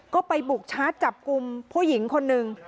ก็ไปบุกชาร์จจับกลุ่มผู้หญิงคนหนึ่ง